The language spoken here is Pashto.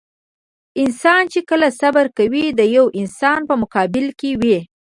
انسان چې کله صبر کوي د يوه انسان په مقابل کې وي.